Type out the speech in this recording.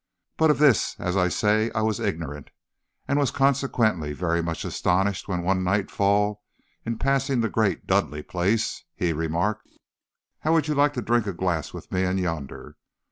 But of this, as I say, I was ignorant, and was consequently very much astonished when, one nightfall, in passing the great Dudleigh place, he remarked: "'How would you like to drink a glass with me in yonder?